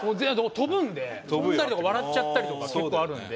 飛んだりとか笑っちゃったりとか結構あるんで。